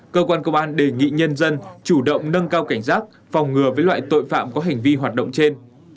cơ quan công an đề nghị nhân dân chủ động nâng cao cảnh giác phòng ngừa với loại tội phạm có hành vi hoạt động trên